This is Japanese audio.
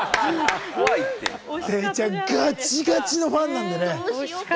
デイちゃん、ガチガチのファンなんでね。